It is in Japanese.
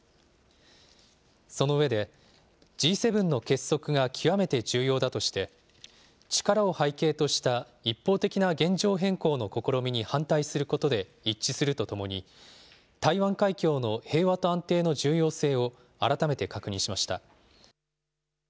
その上で、Ｇ７の結束が極めて重要だとして、力を背景とした一方的な現状変更の試みに反対することで一致するとともに、台湾海峡の平和と安定の重要性を改めて確認しました。